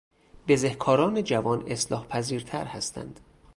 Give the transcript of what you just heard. بزهکاران جوان اصلاحپذیرتر هستند.